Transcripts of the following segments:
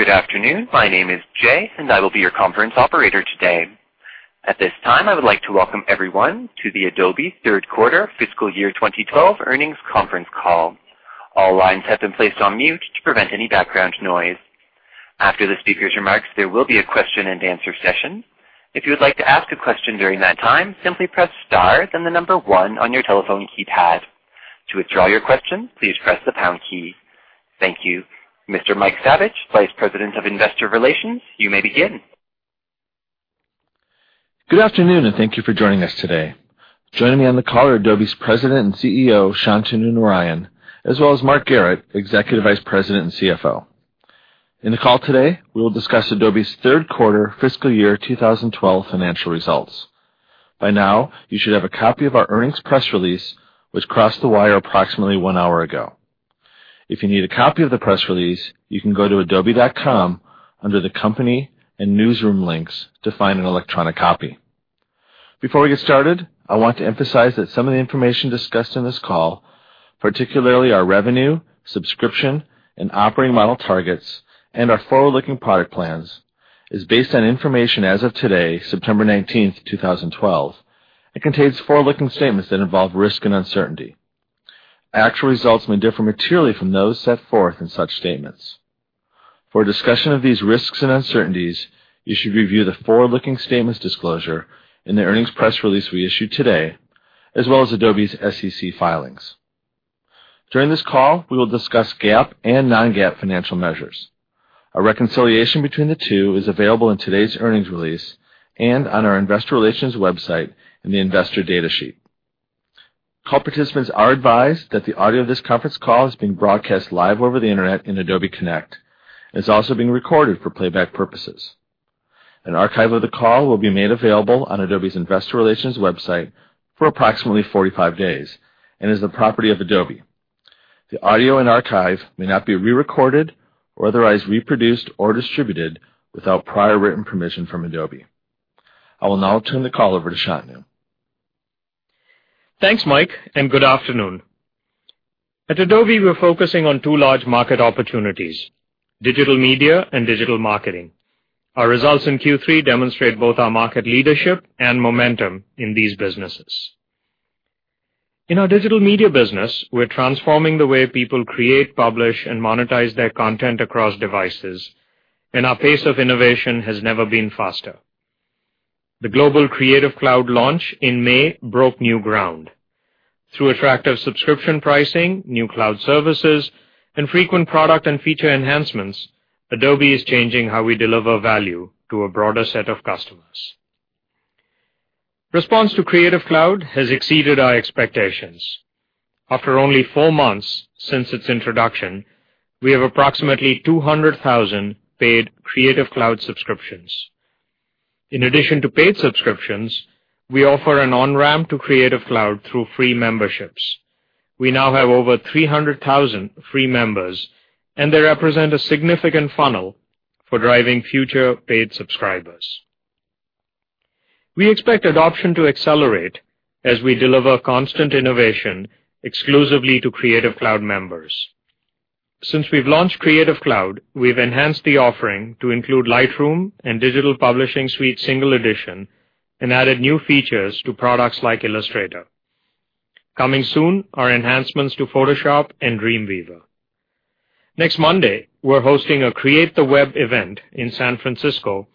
Good afternoon. My name is Jay, and I will be your conference operator today. At this time, I would like to welcome everyone to the Adobe third quarter fiscal year 2012 earnings conference call. All lines have been placed on mute to prevent any background noise. After the speaker's remarks, there will be a question-and-answer session. If you would like to ask a question during that time, simply press star, then the number 1 on your telephone keypad. To withdraw your question, please press the pound key. Thank you. Mr. Mike Saviage, Vice President of Investor Relations, you may begin. Good afternoon. Thank you for joining us today. Joining me on the call are Adobe's President and CEO, Shantanu Narayen, as well as Mark Garrett, Executive Vice President and CFO. In the call today, we will discuss Adobe's third quarter fiscal year 2012 financial results. By now, you should have a copy of our earnings press release, which crossed the wire approximately one hour ago. If you need a copy of the press release, you can go to adobe.com under the company and newsroom links to find an electronic copy. Before we get started, I want to emphasize that some of the information discussed on this call, particularly our revenue, subscription and operating model targets, and our forward-looking product plans, is based on information as of today, September 19th, 2012. It contains forward-looking statements that involve risk and uncertainty. Actual results may differ materially from those set forth in such statements. For a discussion of these risks and uncertainties, you should review the forward-looking statements disclosure in the earnings press release we issued today, as well as Adobe's SEC filings. During this call, we will discuss GAAP and non-GAAP financial measures. A reconciliation between the two is available in today's earnings release and on our investor relations website in the investor data sheet. Call participants are advised that the audio of this conference call is being broadcast live over the Internet on Adobe Connect and is also being recorded for playback purposes. An archive of the call will be made available on Adobe's investor relations website for approximately 45 days and is the property of Adobe. The audio and archive may not be re-recorded or otherwise reproduced or distributed without prior written permission from Adobe. I will now turn the call over to Shantanu. Thanks, Mike, and good afternoon. At Adobe, we're focusing on two large market opportunities, digital media and digital marketing. Our results in Q3 demonstrate both our market leadership and momentum in these businesses. In our digital media business, we're transforming the way people create, publish, and monetize their content across devices, and our pace of innovation has never been faster. The global Creative Cloud launch in May broke new ground. Through attractive subscription pricing, new cloud services, and frequent product and feature enhancements, Adobe is changing how we deliver value to a broader set of customers. Response to Creative Cloud has exceeded our expectations. After only four months since its introduction, we have approximately 200,000 paid Creative Cloud subscriptions. In addition to paid subscriptions, we offer an on-ramp to Creative Cloud through free memberships. We now have over 300,000 free members. They represent a significant funnel for driving future paid subscribers. We expect adoption to accelerate as we deliver constant innovation exclusively to Creative Cloud members. Since we've launched Creative Cloud, we've enhanced the offering to include Lightroom and Digital Publishing Suite Single Edition and added new features to products like Illustrator. Coming soon are enhancements to Photoshop and Dreamweaver. Next Monday, we're hosting a Create the Web event in San Francisco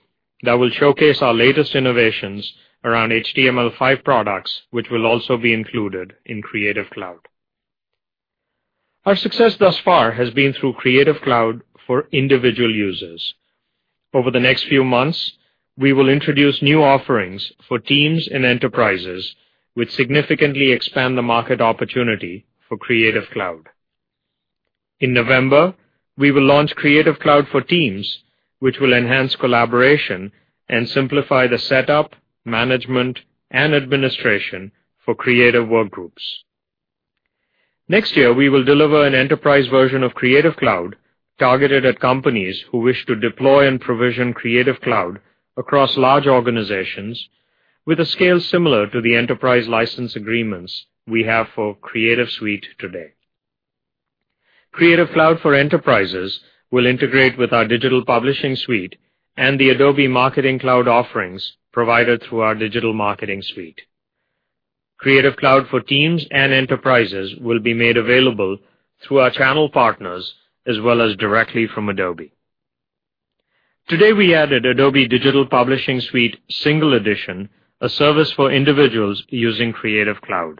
that will showcase our latest innovations around HTML5 products, which will also be included in Creative Cloud. Our success thus far has been through Creative Cloud for individual users. Over the next few months, we will introduce new offerings for teams and enterprises, which significantly expand the market opportunity for Creative Cloud. In November, we will launch Creative Cloud for teams, which will enhance collaboration and simplify the setup, management, and administration for creative workgroups. Next year, we will deliver an enterprise version of Creative Cloud targeted at companies who wish to deploy and provision Creative Cloud across large organizations with a scale similar to the enterprise license agreements we have for Creative Suite today. Creative Cloud for enterprises will integrate with our Digital Publishing Suite and the Adobe Marketing Cloud offerings provided through our Digital Marketing Suite. Creative Cloud for teams and enterprises will be made available through our channel partners as well as directly from Adobe. Today, we added Adobe Digital Publishing Suite Single Edition, a service for individuals using Creative Cloud.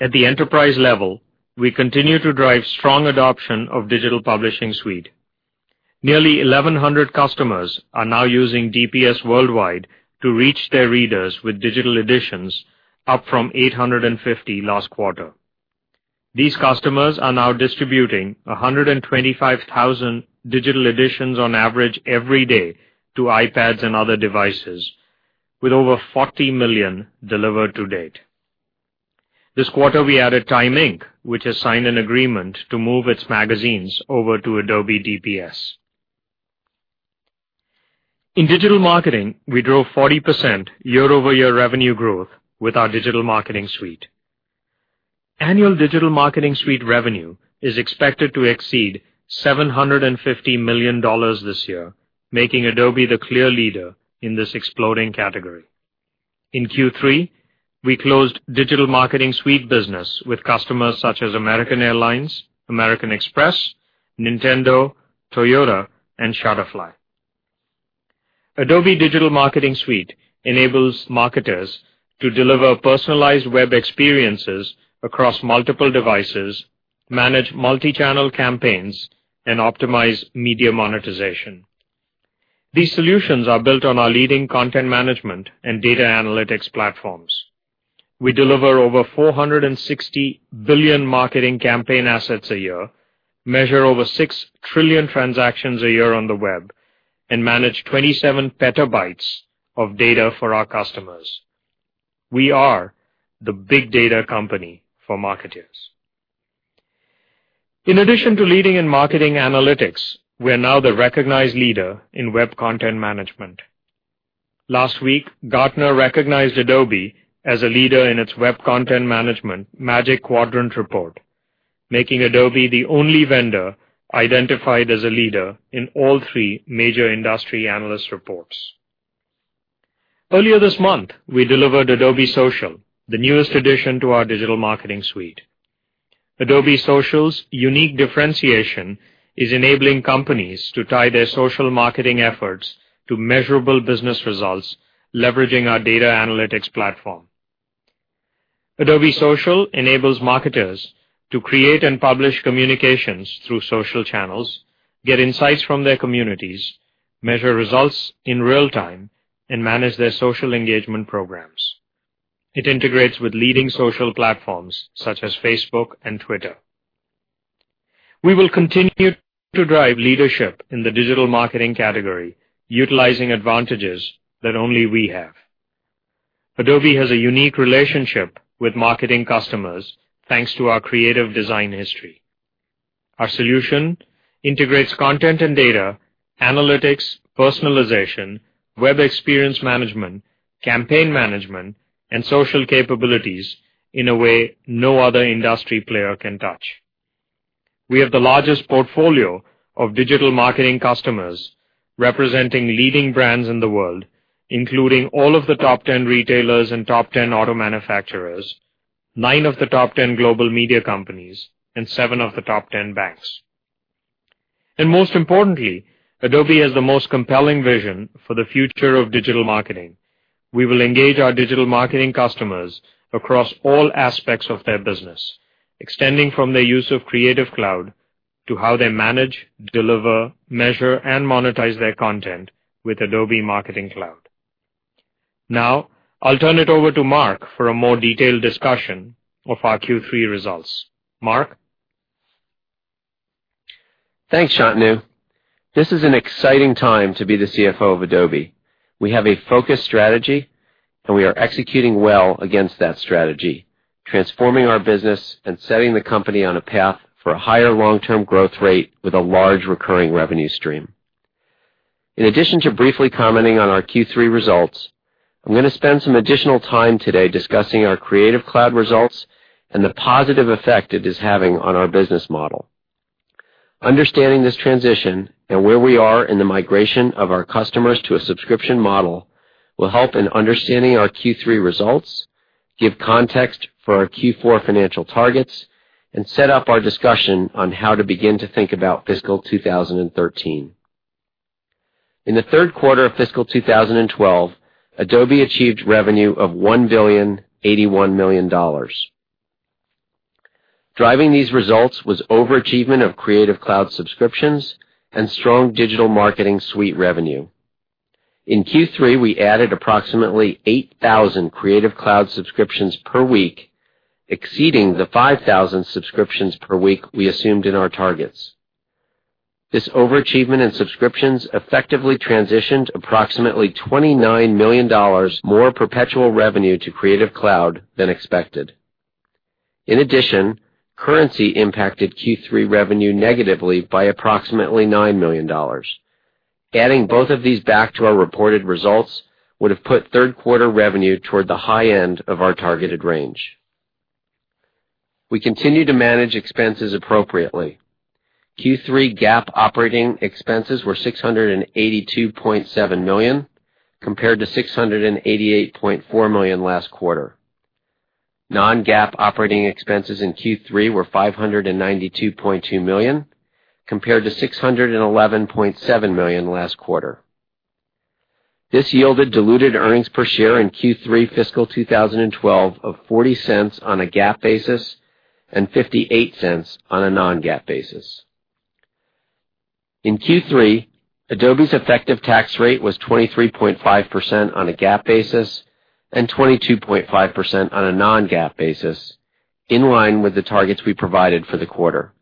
At the enterprise level, we continue to drive strong adoption of Digital Publishing Suite. Nearly 1,100 customers are now using DPS worldwide to reach their readers with digital editions, up from 850 last quarter. These customers are now distributing 125,000 digital editions on average every day to iPads and other devices, with over 40 million delivered to date. This quarter, we added Time Inc., which has signed an agreement to move its magazines over to Adobe DPS. In digital marketing, we drove 40% year-over-year revenue growth with our Digital Marketing Suite. Annual Digital Marketing Suite revenue is expected to exceed $750 million this year, making Adobe the clear leader in this exploding category. In Q3, we closed Digital Marketing Suite business with customers such as American Airlines, American Express, Nintendo, Toyota, and Shutterfly. Adobe Digital Marketing Suite enables marketers to deliver personalized web experiences across multiple devices, manage multi-channel campaigns, and optimize media monetization. These solutions are built on our leading content management and data analytics platforms. We deliver over 460 billion marketing campaign assets a year, measure over six trillion transactions a year on the web, and manage 27 petabytes of data for our customers. We are the big data company for marketers. In addition to leading in marketing analytics, we are now the recognized leader in web content management. Last week, Gartner recognized Adobe as a leader in its web content management Magic Quadrant report, making Adobe the only vendor identified as a leader in all three major industry analyst reports. Earlier this month, we delivered Adobe Social, the newest addition to our Digital Marketing Suite. Adobe Social's unique differentiation is enabling companies to tie their social marketing efforts to measurable business results, leveraging our data analytics platform. Adobe Social enables marketers to create and publish communications through social channels, get insights from their communities, measure results in real time, and manage their social engagement programs. It integrates with leading social platforms such as Facebook and Twitter. We will continue to drive leadership in the digital marketing category, utilizing advantages that only we have. Adobe has a unique relationship with marketing customers, thanks to our creative design history. Our solution integrates content and data, analytics, personalization, web experience management, campaign management, and social capabilities in a way no other industry player can touch. We have the largest portfolio of digital marketing customers, representing leading brands in the world, including all of the top 10 retailers and top 10 auto manufacturers, nine of the top 10 global media companies, and seven of the top 10 banks. Most importantly, Adobe has the most compelling vision for the future of digital marketing. We will engage our digital marketing customers across all aspects of their business, extending from their use of Creative Cloud to how they manage, deliver, measure, and monetize their content with Adobe Marketing Cloud. Now, I'll turn it over to Mark for a more detailed discussion of our Q3 results. Mark? Thanks, Shantanu. This is an exciting time to be the CFO of Adobe. We have a focused strategy, and we are executing well against that strategy, transforming our business and setting the company on a path for a higher long-term growth rate with a large recurring revenue stream. In addition to briefly commenting on our Q3 results, I'm going to spend some additional time today discussing our Creative Cloud results and the positive effect it is having on our business model. Understanding this transition and where we are in the migration of our customers to a subscription model will help in understanding our Q3 results, give context for our Q4 financial targets, and set up our discussion on how to begin to think about fiscal 2013. In the third quarter of fiscal 2012, Adobe achieved revenue of $1 billion 81 million. Driving these results was overachievement of Creative Cloud subscriptions and strong Digital Marketing Suite revenue. In Q3, we added approximately 8,000 Creative Cloud subscriptions per week, exceeding the 5,000 subscriptions per week we assumed in our targets. This overachievement in subscriptions effectively transitioned approximately $29 million more perpetual revenue to Creative Cloud than expected. In addition, currency impacted Q3 revenue negatively by approximately $9 million. Adding both of these back to our reported results would have put third quarter revenue toward the high end of our targeted range. We continue to manage expenses appropriately. Q3 GAAP operating expenses were $682.7 million, compared to $688.4 million last quarter. non-GAAP operating expenses in Q3 were $592.2 million, compared to $611.7 million last quarter. This yielded diluted earnings per share in Q3 fiscal 2012 of $0.40 on a GAAP basis and $0.58 on a non-GAAP basis. In Q3, Adobe's effective tax rate was 23.5% on a GAAP basis and 22.5% on a non-GAAP basis, in line with the targets we provided for the quarter.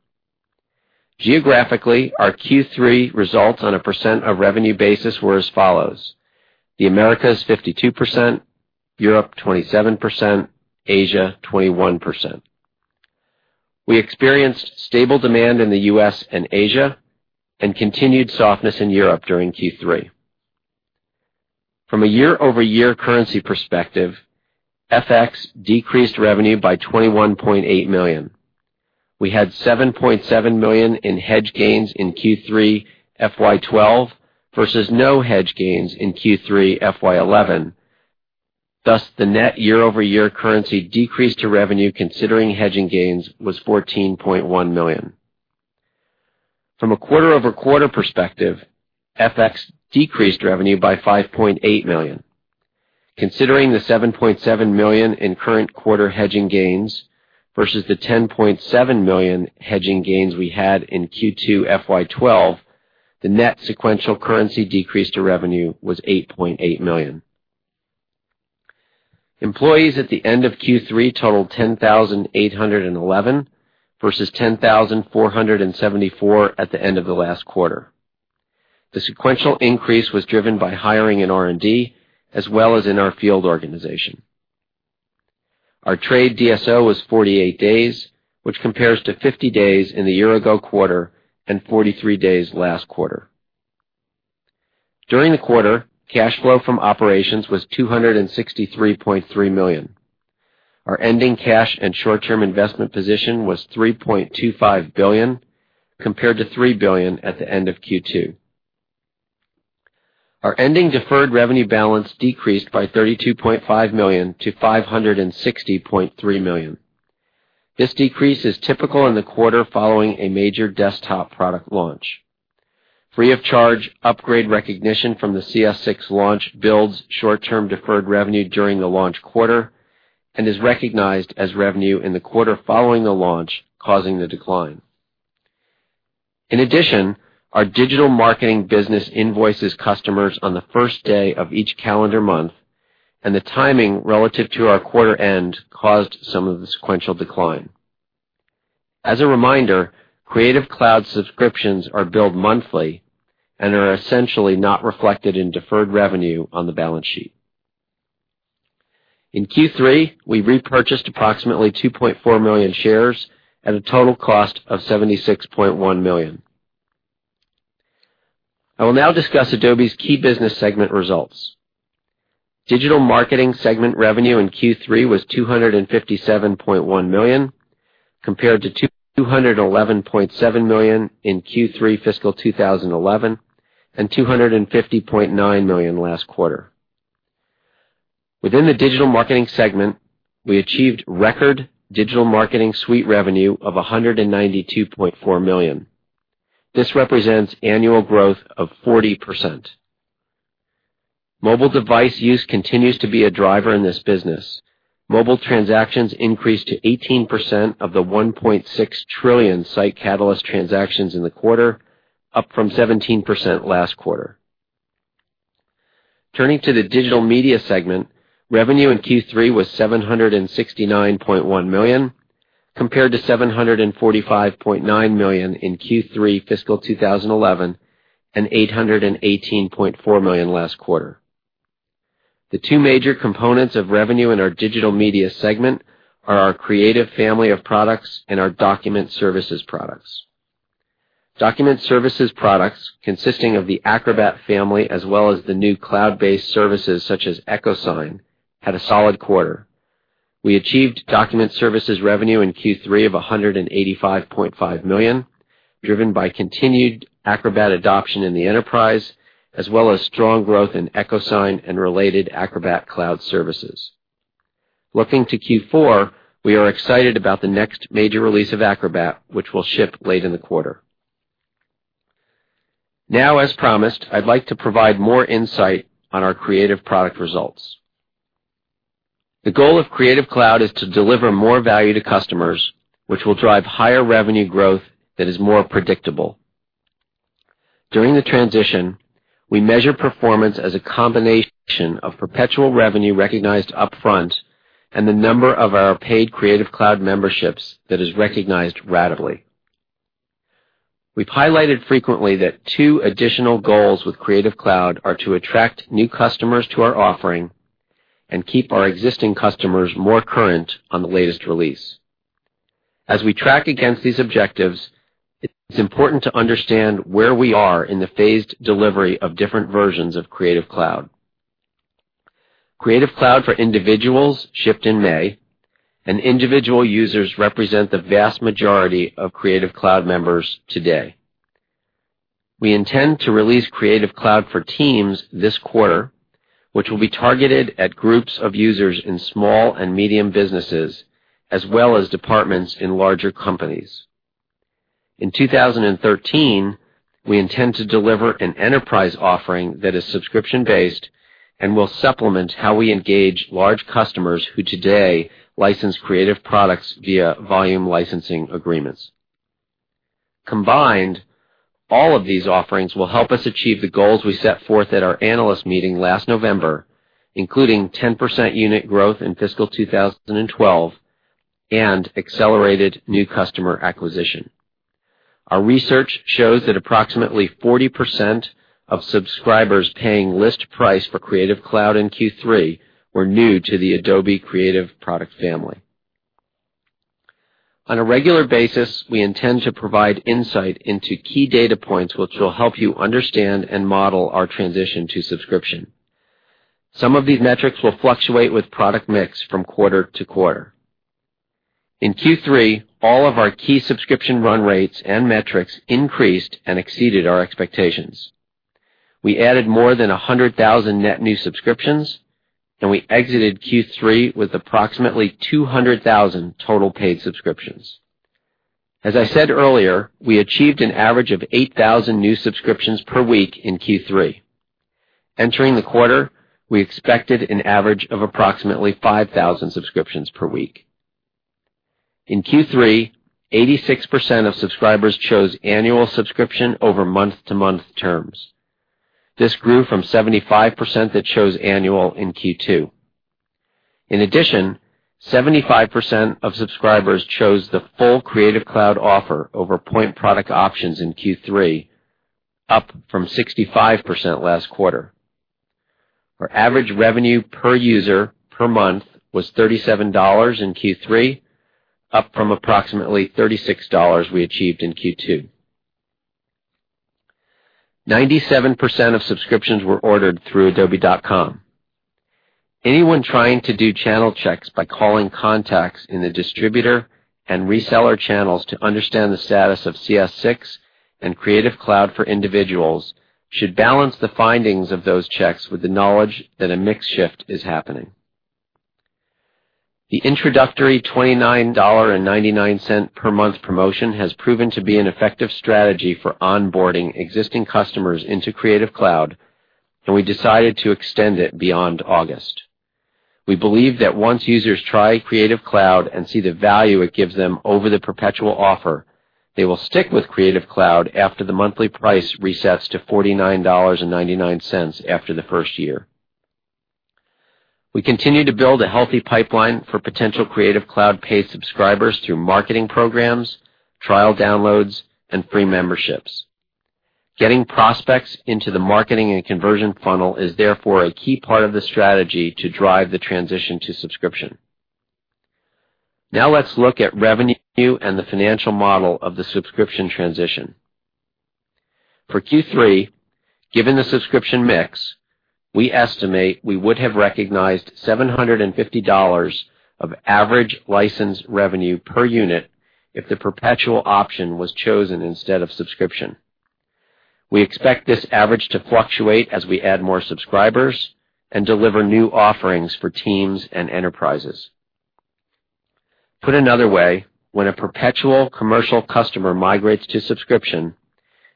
Geographically, our Q3 results on a percent of revenue basis were as follows: The Americas, 52%; Europe, 27%; Asia, 21%. We experienced stable demand in the U.S. and Asia and continued softness in Europe during Q3. From a year-over-year currency perspective, FX decreased revenue by $21.8 million. We had $7.7 million in hedge gains in Q3 FY 2012 versus no hedge gains in Q3 FY 2011. Thus, the net year-over-year currency decrease to revenue considering hedging gains was $14.1 million. From a quarter-over-quarter perspective, FX decreased revenue by $5.8 million. Considering the $7.7 million in current quarter hedging gains versus the $10.7 million hedging gains we had in Q2 FY 2012, the net sequential currency decrease to revenue was $8.8 million. Employees at the end of Q3 totaled 10,811 versus 10,474 at the end of the last quarter. The sequential increase was driven by hiring in R&D as well as in our field organization. Our trade DSO was 48 days, which compares to 50 days in the year-ago quarter and 43 days last quarter. During the quarter, cash flow from operations was $263.3 million. Our ending cash and short-term investment position was $3.25 billion, compared to $3 billion at the end of Q2. Our ending deferred revenue balance decreased by $32.5 million to $560.3 million. This decrease is typical in the quarter following a major desktop product launch. Free of charge upgrade recognition from the CS6 launch builds short-term deferred revenue during the launch quarter and is recognized as revenue in the quarter following the launch, causing the decline. In addition, our digital marketing business invoices customers on the first day of each calendar month, and the timing relative to our quarter end caused some of the sequential decline. As a reminder, Creative Cloud subscriptions are billed monthly and are essentially not reflected in deferred revenue on the balance sheet. In Q3, we repurchased approximately 2.4 million shares at a total cost of $76.1 million. I will now discuss Adobe's key business segment results. Digital marketing segment revenue in Q3 was $257.1 million, compared to $211.7 million in Q3 fiscal 2011 and $250.9 million last quarter. Within the digital marketing segment, we achieved record Digital Marketing Suite revenue of $192.4 million. This represents annual growth of 40%. Mobile device use continues to be a driver in this business. Mobile transactions increased to 18% of the 1.6 trillion SiteCatalyst transactions in the quarter, up from 17% last quarter. Turning to the digital media segment, revenue in Q3 was $769.1 million, compared to $745.9 million in Q3 fiscal 2011 and $818.4 million last quarter. The two major components of revenue in our digital media segment are our creative family of products and our document services products. Document services products, consisting of the Acrobat family as well as the new cloud-based services such as EchoSign, had a solid quarter. We achieved document services revenue in Q3 of $185.5 million, driven by continued Acrobat adoption in the enterprise, as well as strong growth in EchoSign and related Acrobat cloud services. Looking to Q4, we are excited about the next major release of Acrobat, which will ship late in the quarter. Now, as promised, I'd like to provide more insight on our creative product results. The goal of Creative Cloud is to deliver more value to customers, which will drive higher revenue growth that is more predictable. During the transition, we measure performance as a combination of perpetual revenue recognized upfront and the number of our paid Creative Cloud memberships that is recognized ratably. We've highlighted frequently that two additional goals with Creative Cloud are to attract new customers to our offering and keep our existing customers more current on the latest release. As we track against these objectives, it's important to understand where we are in the phased delivery of different versions of Creative Cloud. Creative Cloud for individuals shipped in May, and individual users represent the vast majority of Creative Cloud members today. We intend to release Creative Cloud for teams this quarter, which will be targeted at groups of users in small and medium businesses, as well as departments in larger companies. In 2013, we intend to deliver an enterprise offering that is subscription-based and will supplement how we engage large customers who today license creative products via volume licensing agreements. Combined, all of these offerings will help us achieve the goals we set forth at our analyst meeting last November, including 10% unit growth in fiscal 2012 and accelerated new customer acquisition. Our research shows that approximately 40% of subscribers paying list price for Creative Cloud in Q3 were new to the Adobe Creative product family. On a regular basis, we intend to provide insight into key data points which will help you understand and model our transition to subscription. Some of these metrics will fluctuate with product mix from quarter to quarter. In Q3, all of our key subscription run rates and metrics increased and exceeded our expectations. We added more than 100,000 net new subscriptions, we exited Q3 with approximately 200,000 total paid subscriptions. As I said earlier, we achieved an average of 8,000 new subscriptions per week in Q3. Entering the quarter, we expected an average of approximately 5,000 subscriptions per week. In Q3, 86% of subscribers chose annual subscription over month-to-month terms. This grew from 75% that chose annual in Q2. In addition, 75% of subscribers chose the full Creative Cloud offer over point product options in Q3, up from 65% last quarter. Our average revenue per user per month was $37 in Q3, up from approximately $36 we achieved in Q2. 97% of subscriptions were ordered through adobe.com. Anyone trying to do channel checks by calling contacts in the distributor and reseller channels to understand the status of CS6 and Creative Cloud for individuals should balance the findings of those checks with the knowledge that a mix shift is happening. The introductory $29.99 per month promotion has proven to be an effective strategy for onboarding existing customers into Creative Cloud, we decided to extend it beyond August. We believe that once users try Creative Cloud and see the value it gives them over the perpetual offer, they will stick with Creative Cloud after the monthly price resets to $49.99 after the first year. We continue to build a healthy pipeline for potential Creative Cloud paid subscribers through marketing programs, trial downloads, and free memberships. Getting prospects into the marketing and conversion funnel is therefore a key part of the strategy to drive the transition to subscription. Let's look at revenue and the financial model of the subscription transition. For Q3, given the subscription mix, we estimate we would have recognized $750 of average licensed revenue per unit if the perpetual option was chosen instead of subscription. We expect this average to fluctuate as we add more subscribers and deliver new offerings for teams and enterprises. Put another way, when a perpetual commercial customer migrates to subscription,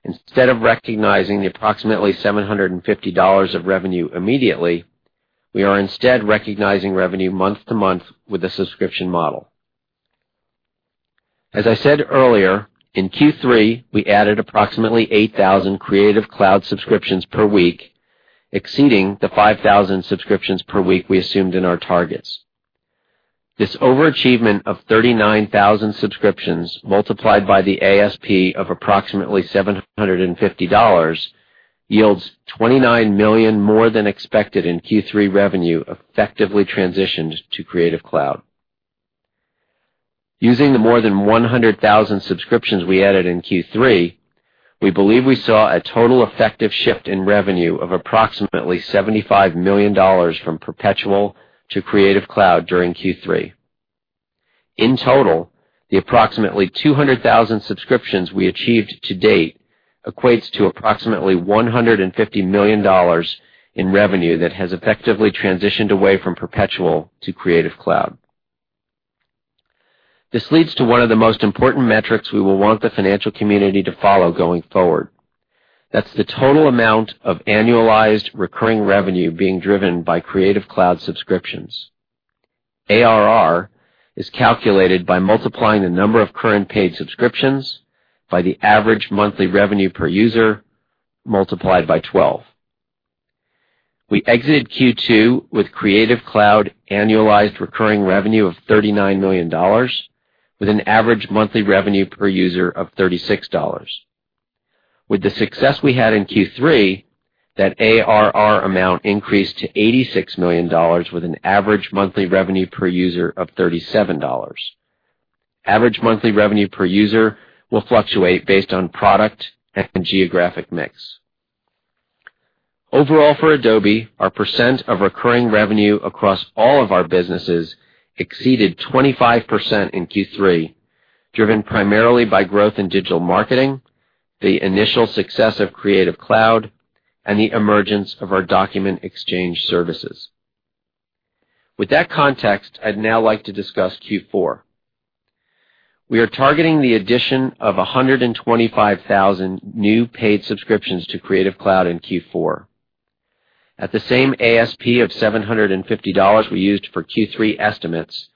instead of recognizing the approximately $750 of revenue immediately, we are instead recognizing revenue month to month with a subscription model. As I said earlier, in Q3, we added approximately 8,000 Creative Cloud subscriptions per week, exceeding the 5,000 subscriptions per week we assumed in our targets. This overachievement of 39,000 subscriptions multiplied by the ASP of approximately $750 yields $29 million more than expected in Q3 revenue effectively transitioned to Creative Cloud. Using the more than 100,000 subscriptions we added in Q3, we believe we saw a total effective shift in revenue of approximately $75 million from perpetual to Creative Cloud during Q3. In total, the approximately 200,000 subscriptions we achieved to date equates to approximately $150 million in revenue that has effectively transitioned away from perpetual to Creative Cloud. This leads to one of the most important metrics we will want the financial community to follow going forward. That's the total amount of annualized recurring revenue being driven by Creative Cloud subscriptions. ARR is calculated by multiplying the number of current paid subscriptions by the average monthly revenue per user, multiplied by 12. We exited Q2 with Creative Cloud annualized recurring revenue of $39 million, with an average monthly revenue per user of $36. With the success we had in Q3, that ARR amount increased to $86 million, with an average monthly revenue per user of $37. Average monthly revenue per user will fluctuate based on product and geographic mix. Overall, for Adobe, our percent of recurring revenue across all of our businesses exceeded 25% in Q3, driven primarily by growth in digital marketing, the initial success of Creative Cloud, and the emergence of our Document Exchange Services. I'd now like to discuss Q4. We are targeting the addition of 125,000 new paid subscriptions to Creative Cloud in Q4. At the same ASP of $750 we used for Q3 estimates,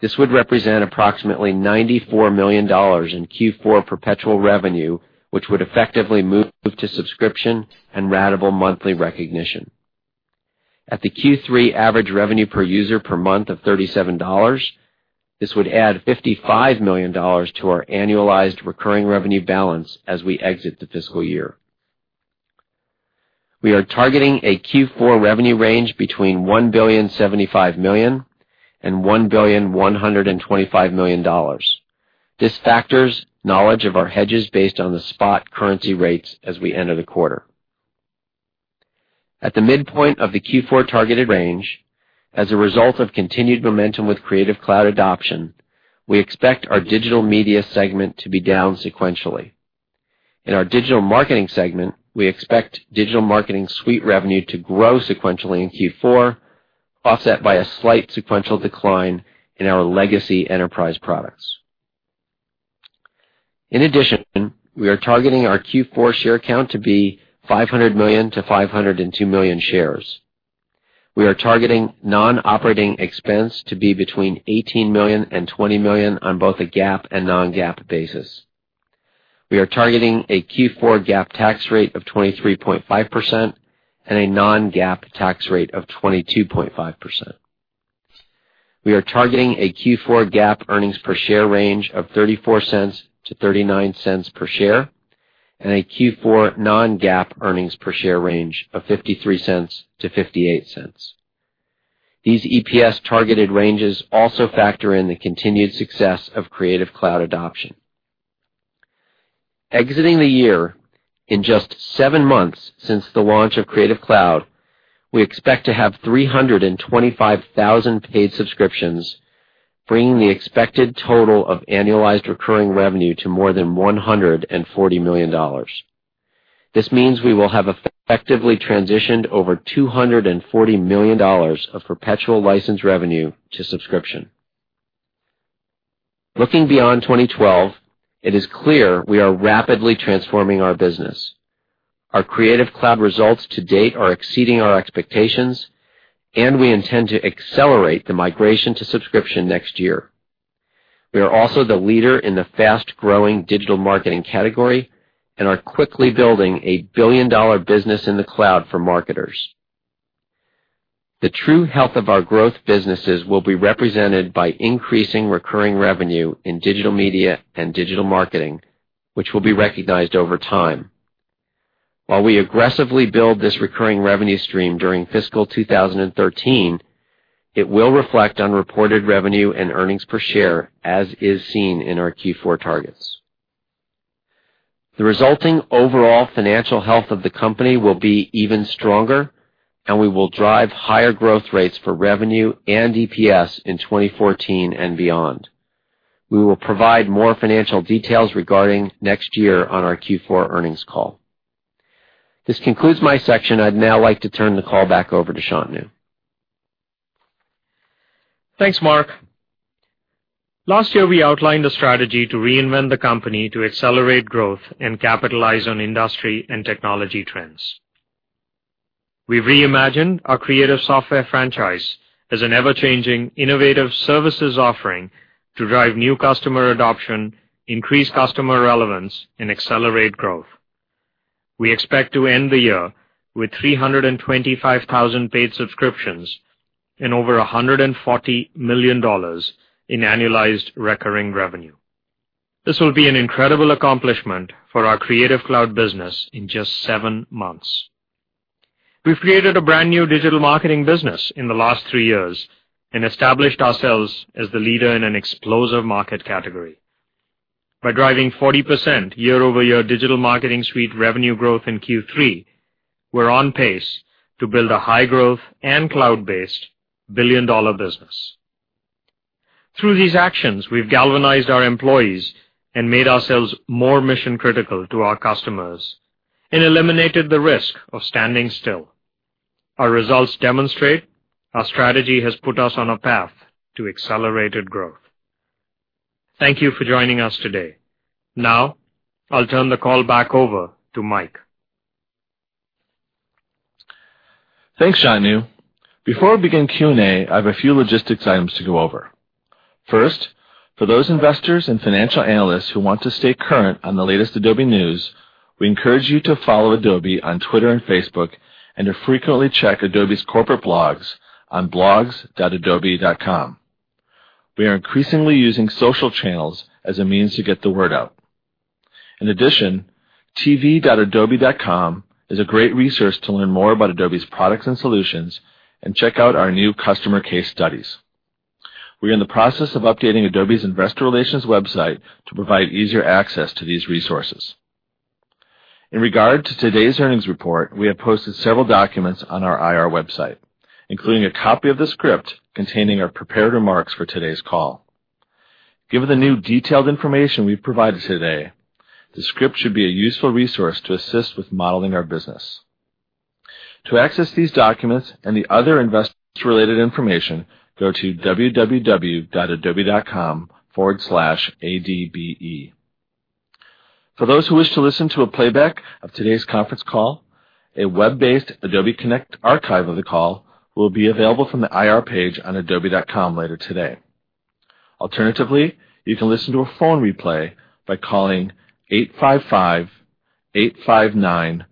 this would represent approximately $94 million in Q4 perpetual revenue, which would effectively move to subscription and ratable monthly recognition. At the Q3 average revenue per user per month of $37, this would add $55 million to our annualized recurring revenue balance as we exit the fiscal year. We are targeting a Q4 revenue range between $1.075 billion and $1.125 billion. This factors knowledge of our hedges based on the spot currency rates as we enter the quarter. At the midpoint of the Q4 targeted range, as a result of continued momentum with Creative Cloud adoption, we expect our digital media segment to be down sequentially. In our digital marketing segment, we expect Digital Marketing Suite revenue to grow sequentially in Q4, offset by a slight sequential decline in our legacy enterprise products. In addition, we are targeting our Q4 share count to be 500 million to 502 million shares. We are targeting non-operating expense to be between $18 million and $20 million on both a GAAP and non-GAAP basis. We are targeting a Q4 GAAP tax rate of 23.5% and a non-GAAP tax rate of 22.5%. We are targeting a Q4 GAAP earnings per share range of $0.34 to $0.39 per share, and a Q4 non-GAAP earnings per share range of $0.53 to $0.58. These EPS targeted ranges also factor in the continued success of Creative Cloud adoption. Exiting the year, in just seven months since the launch of Creative Cloud, we expect to have 325,000 paid subscriptions, bringing the expected total of annualized recurring revenue to more than $140 million. This means we will have effectively transitioned over $240 million of perpetual license revenue to subscription. Looking beyond 2012, it is clear we are rapidly transforming our business. Our Creative Cloud results to date are exceeding our expectations, and we intend to accelerate the migration to subscription next year. We are also the leader in the fast-growing digital marketing category and are quickly building a billion-dollar business in the cloud for marketers. The true health of our growth businesses will be represented by increasing recurring revenue in digital media and digital marketing, which will be recognized over time. While we aggressively build this recurring revenue stream during fiscal 2013, it will reflect on reported revenue and earnings per share, as is seen in our Q4 targets. The resulting overall financial health of the company will be even stronger, and we will drive higher growth rates for revenue and EPS in 2014 and beyond. We will provide more financial details regarding next year on our Q4 earnings call. This concludes my section. I'd now like to turn the call back over to Shantanu. Thanks, Mark. Last year, we outlined a strategy to reinvent the company to accelerate growth and capitalize on industry and technology trends. We reimagined our creative software franchise as an ever-changing, innovative services offering to drive new customer adoption, increase customer relevance, and accelerate growth. We expect to end the year with 325,000 paid subscriptions and over $140 million in annualized recurring revenue. This will be an incredible accomplishment for our Creative Cloud business in just seven months. We've created a brand-new Digital Marketing business in the last three years and established ourselves as the leader in an explosive market category. By driving 40% year-over-year Digital Marketing Suite revenue growth in Q3, we're on pace to build a high-growth and cloud-based billion-dollar business. Through these actions, we've galvanized our employees and made ourselves more mission-critical to our customers and eliminated the risk of standing still. Our results demonstrate our strategy has put us on a path to accelerated growth. Thank you for joining us today. I'll turn the call back over to Mike. Thanks, Shantanu. Before we begin Q&A, I have a few logistics items to go over. First, for those investors and financial analysts who want to stay current on the latest Adobe news, we encourage you to follow Adobe on Twitter and Facebook and to frequently check Adobe's corporate blogs on blogs.adobe.com. We are increasingly using social channels as a means to get the word out. In addition, tv.adobe.com is a great resource to learn more about Adobe's products and solutions and check out our new customer case studies. We are in the process of updating Adobe's investor relations website to provide easier access to these resources. In regard to today's earnings report, we have posted several documents on our IR website, including a copy of the script containing our prepared remarks for today's call. Given the new detailed information we've provided today, the script should be a useful resource to assist with modeling our business. To access these documents and the other investor-related information, go to www.adobe.com/adbe. For those who wish to listen to a playback of today's conference call, a web-based Adobe Connect archive of the call will be available from the IR page on adobe.com later today. Alternatively, you can listen to a phone replay by calling 855-859-2056.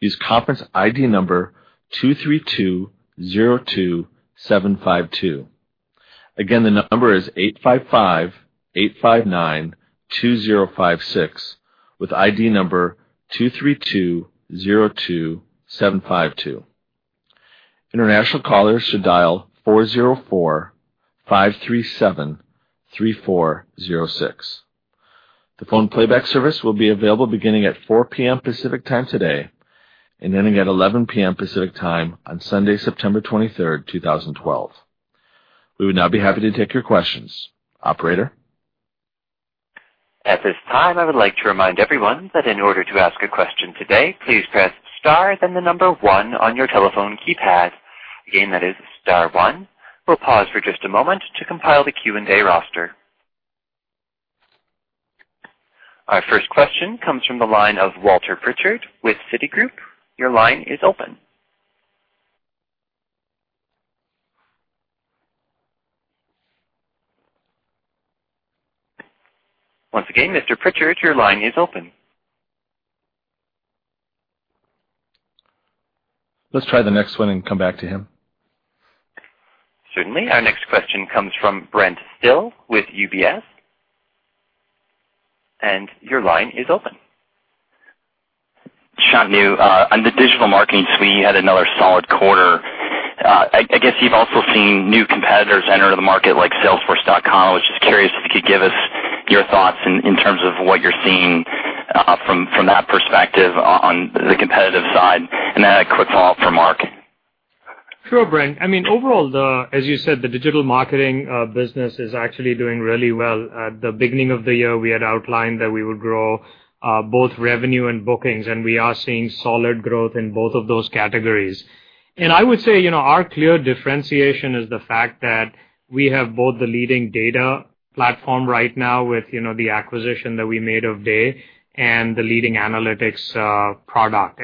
Use conference ID number 23202752. Again, the number is 855-859-2056, with ID number 23202752. International callers should dial 404-537-3406. The phone playback service will be available beginning at 4:00 P.M. Pacific Time today, and ending at 11:00 P.M. Pacific Time on Sunday, September 23rd, 2012. We would now be happy to take your questions. Operator? At this time, I would like to remind everyone that in order to ask a question today, please press star then the number 1 on your telephone keypad. Again, that is star 1. We'll pause for just a moment to compile the Q&A roster. Our first question comes from the line of Walter Pritchard with Citigroup. Your line is open. Once again, Mr. Pritchard, your line is open. Let's try the next one and come back to him. Certainly. Our next question comes from Brent Thill with UBS, and your line is open. Shantanu, on the Adobe Digital Marketing Suite, you had another solid quarter. I guess you've also seen new competitors enter the market, like Salesforce. I was just curious if you could give us your thoughts in terms of what you're seeing from that perspective on the competitive side, and then a quick follow-up for Mark. Sure, Brent. Overall, as you said, the digital marketing business is actually doing really well. At the beginning of the year, we had outlined that we would grow both revenue and bookings, and we are seeing solid growth in both of those categories. I would say our clear differentiation is the fact that we have both the leading data platform right now with the acquisition that we made of Day Software, and the leading analytics product.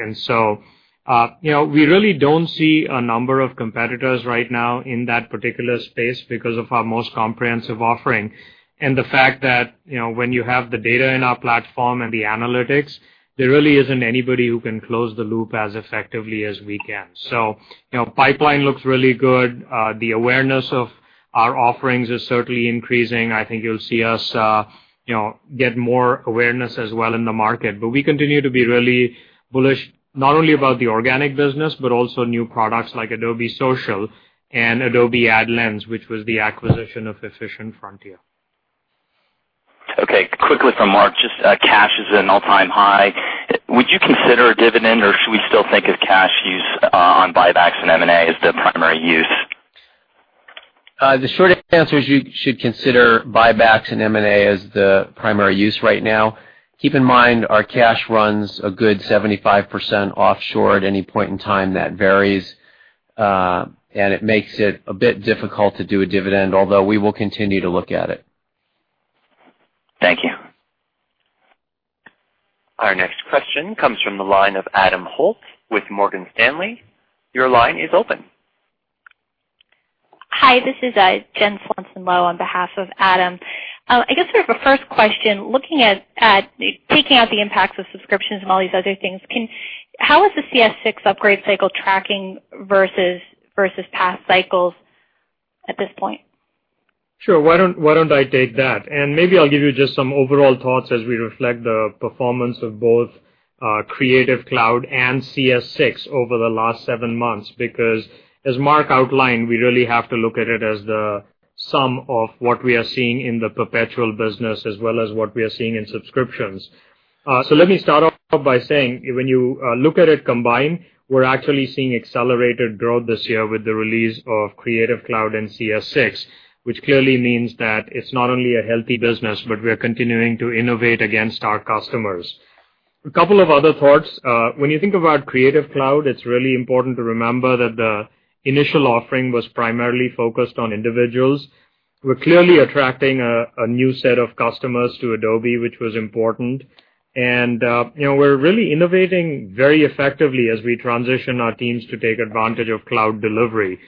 We really don't see a number of competitors right now in that particular space because of our most comprehensive offering. The fact that, when you have the data in our platform and the analytics, there really isn't anybody who can close the loop as effectively as we can. Pipeline looks really good. The awareness of our offerings is certainly increasing. I think you'll see us get more awareness as well in the market. We continue to be really bullish, not only about the organic business, but also new products like Adobe Social and Adobe AdLens, which was the acquisition of Efficient Frontier. Okay. Quickly from Mark, just cash is an all-time high. Would you consider a dividend, or should we still think of cash use on buybacks and M&A as the primary use? The short answer is you should consider buybacks and M&A as the primary use right now. Keep in mind, our cash runs a good 75% offshore at any point in time. That varies, and it makes it a bit difficult to do a dividend, although we will continue to look at it. Thank you. Our next question comes from the line of Adam Holt with Morgan Stanley. Your line is open. Hi, this is Jennifer Lowe on behalf of Adam. I guess sort of a first question, taking out the impacts of subscriptions and all these other things, how is the CS6 upgrade cycle tracking versus past cycles at this point? Sure. Why don't I take that? Maybe I'll give you just some overall thoughts as we reflect the performance of both Creative Cloud and CS6 over the last seven months. As Mark outlined, we really have to look at it as the sum of what we are seeing in the perpetual business as well as what we are seeing in subscriptions. Let me start off by saying, when you look at it combined, we're actually seeing accelerated growth this year with the release of Creative Cloud and CS6, which clearly means that it's not only a healthy business, but we are continuing to innovate against our customers. A couple of other thoughts. When you think about Creative Cloud, it's really important to remember that the initial offering was primarily focused on individuals. We're clearly attracting a new set of customers to Adobe, which was important, and we're really innovating very effectively as we transition our teams to take advantage of cloud delivery.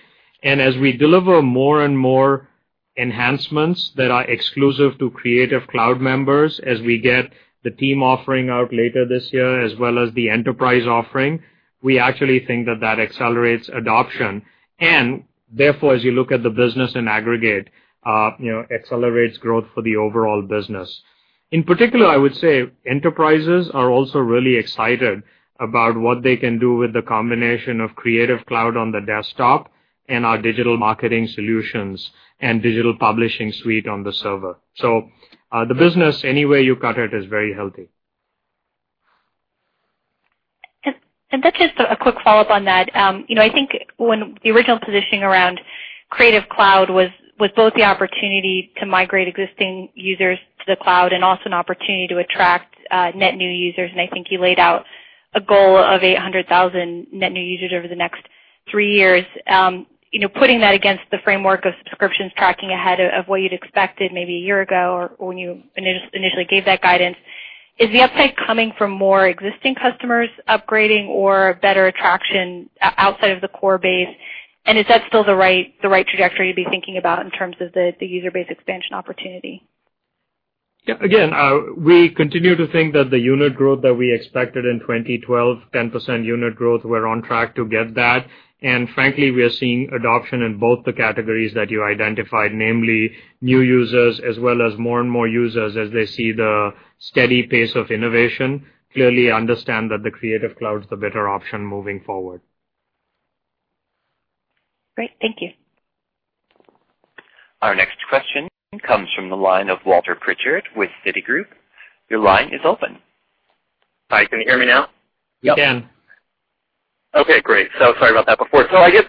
As we deliver more and more enhancements that are exclusive to Creative Cloud members, as we get the team offering out later this year as well as the enterprise offering, we actually think that that accelerates adoption, and therefore, as you look at the business in aggregate, accelerates growth for the overall business. In particular, I would say enterprises are also really excited about what they can do with the combination of Creative Cloud on the desktop and our digital marketing solutions and Digital Publishing Suite on the server. The business, any way you cut it, is very healthy. Just a quick follow-up on that. I think when the original positioning around Creative Cloud was both the opportunity to migrate existing users to the cloud and also an opportunity to attract net new users, I think you laid out a goal of 800,000 net new users over the next three years. Putting that against the framework of subscriptions tracking ahead of what you'd expected maybe a year ago or when you initially gave that guidance, is the upside coming from more existing customers upgrading or better attraction outside of the core base? Is that still the right trajectory to be thinking about in terms of the user base expansion opportunity? Yeah. Again, we continue to think that the unit growth that we expected in 2012, 10% unit growth, we're on track to get that. Frankly, we are seeing adoption in both the categories that you identified, namely new users, as well as more and more users as they see the steady pace of innovation, clearly understand that the Creative Cloud's the better option moving forward. Great. Thank you. Our next question comes from the line of Walter Pritchard with Citigroup. Your line is open. Hi, can you hear me now? Yep. Can. Okay, great. Sorry about that before. I guess,